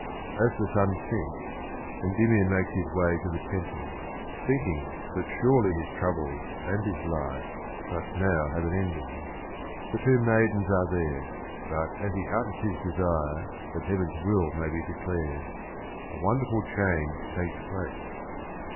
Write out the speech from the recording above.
As the sun sinks Endymion makes his way to the temple, thinking that surely his troubles and his life must now have an ending. The two maidens are there, but, as he utters his desire that heaven's will may be declared, a wonderful change takes place.